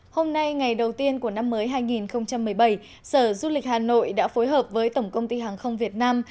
hôm nay ngày đầu tiên của năm mới hai nghìn một mươi bảy sở du lịch hà nội đã phối hợp với tổng công ty hàng không việt nam